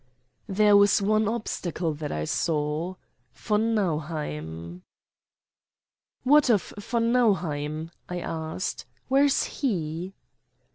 There was one obstacle that I saw von Nauheim. "What of von Nauheim?" I asked. "Where is he?"